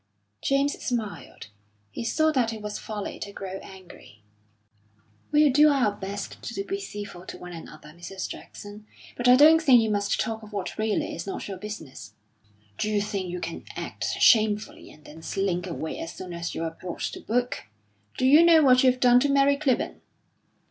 James smiled. He saw that it was folly to grow angry. "We'll do our best to be civil to one another, Mrs. Jackson. But I don't think you must talk of what really is not your business." "D'you think you can act shamefully and then slink away as soon as you are brought to book? Do you know what you've done to Mary Clibborn?"